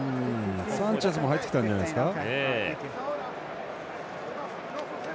サンチェスも入ってきたんじゃないですか。